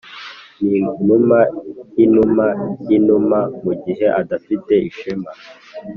ninuma yinuma yinuma mugihe adafite ishema,